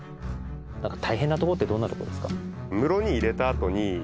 何か大変なとこってどんなとこですか？